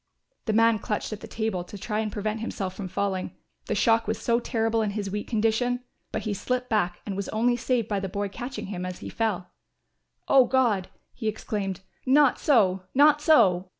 The man clutched at the table to try and prevent himself from falling; the shock was so terrible in his weak condition; but he slipped back and was only saved by the boy catching him as he fell. "O God," he exclaimed, "not so, not so."